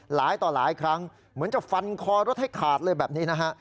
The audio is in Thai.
หลายต่อหลายครั้งเหมือนจะฟันคอรถให้ขาดเลยแบบนี้นะฮะ